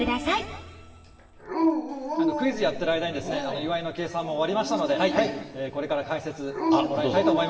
クイズやってる間にですね岩井の計算も終わりましたのでこれから解説してもらいたいと思います。